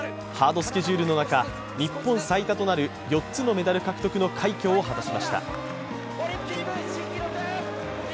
ハードスケジュールの中、日本最多となる４つのメダル獲得の快挙を果たしました。